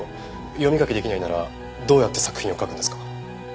読み書き出来ないならどうやって作品を書くんですか？